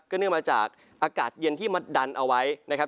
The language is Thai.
เนื่องมาจากอากาศเย็นที่มัดดันเอาไว้นะครับ